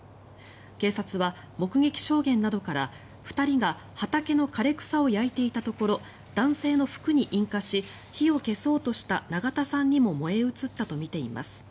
警察は、目撃証言などから２人が畑の枯れ草を焼いていたところ男性の服に引火し火を消そうとした永田さんにも燃え移ったとみています。